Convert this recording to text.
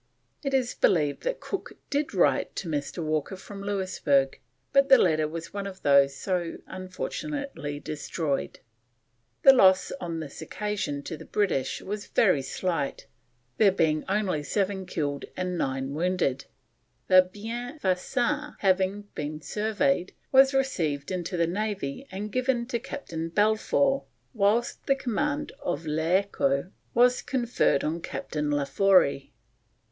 It is believed that Cook did write to Mr. Walker from Louisburg, but the letter was one of those so unfortunately destroyed. The loss on this occasion to the British was very slight, there being only 7 killed and 9 wounded. The Bienfaisant having been surveyed, was received into the Navy and given to Captain Balfour whilst the command of L'Echo was conferred on Captain Laforey.